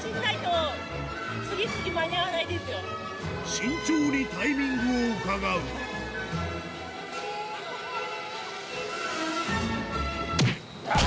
慎重にタイミングをうかがう頑張れ！